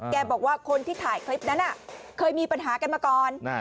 บอกว่าคนที่ถ่ายคลิปนั้นเคยมีปัญหากันมาก่อน